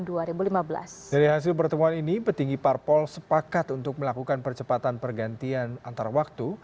dari hasil pertemuan ini petinggi parpol sepakat untuk melakukan percepatan pergantian antar waktu